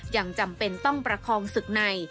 ยังจำเป็นต้องประคองศึกใน